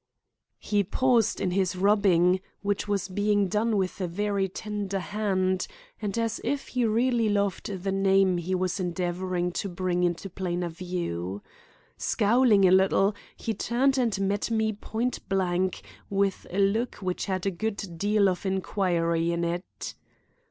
He paused in his rubbing, which was being done with a very tender hand, and as if he really loved the name he was endeavoring to bring into plainer view. Scowling a little, he turned and met me point blank with a look which had a good deal of inquiry in it.